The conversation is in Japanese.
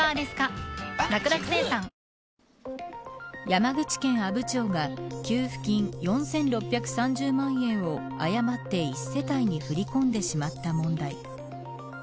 山口県阿武町が給付金４６３０万円を誤って１世帯に振り込んでしまった問題。